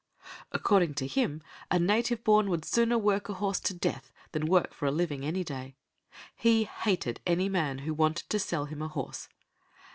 According to him, a native born would sooner work a horse to death than work for a living any day. He hated any man who wanted to sell him a horse.